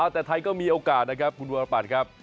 แต่ไทยก็มีโอกาสนะครับคุณวรปัตรครับ